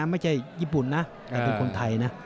ไม่ใช่ญี่ปุ่นนะแต่เป็นคนไทยนะ